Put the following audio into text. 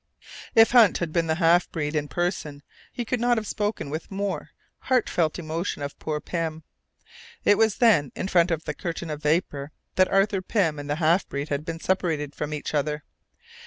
If Hunt had been the half breed in person he could not have spoken with more heartfelt emotion of "poor Pym." It was then, in front of the "curtain of vapour," that Arthur Pym and the half breed had been separated from each other.